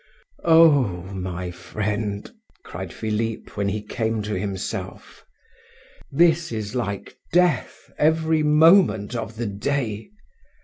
"Oh, my friend!" cried Philip, when he came to himself. "This is like death every moment of the day!